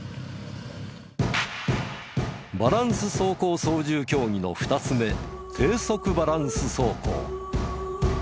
バランス走行操縦競技の２つ目低速バランス走行。